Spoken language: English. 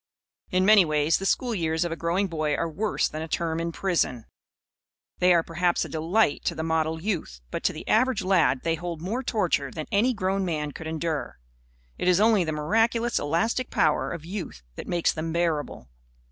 In many ways, the school years of a growing boy are worse than a term in prison. They are perhaps a delight to the model youth. But to the average lad they hold more torture than any grown man could endure. It is only the miraculous elastic power of youth that makes them bearable.